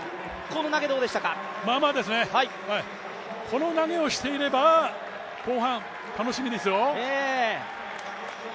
この投げをしていれば後半、楽しみですよ。